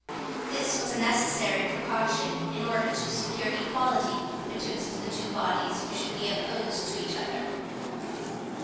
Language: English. This was a necessary precaution, in order to secure equality betwixt the two bodies who should be opposed to each other.